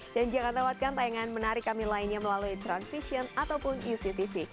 dan jangan lewatkan tayangan menarik kami lainnya melalui transvision ataupun uctv